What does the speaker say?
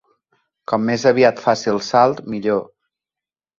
Com més aviat faci el salt, millor.